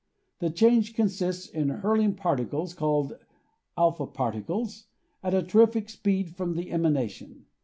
The change consists in hurling particles, called a particles, at a terrific speed from the emanation.